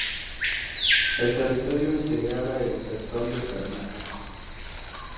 El territorio integraba el sertón de Pernambuco.